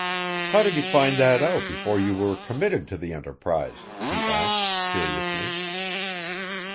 "How did you find that out before you were committed to the enterprise?" he asked curiously.